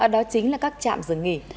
đó chính là các trạm rừng nghỉ